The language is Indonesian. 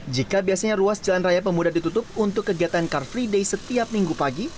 jika biasanya ruas jalan raya pemuda ditutup untuk kegiatan car free day setiap minggu pagi